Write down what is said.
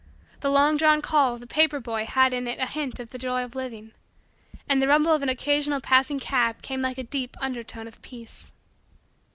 The long drawn call of the paper boy had in it a hint of the joy of living. And the rumble of an occasional passing cab came like a deep undertone of peace.